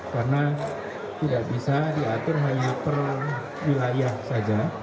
karena tidak bisa diatur hanya per wilayah saja